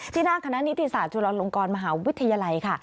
ที่หน้าคณะนิศศาสตร์จุฬลงกรมหาวิทยาลัยค่ะ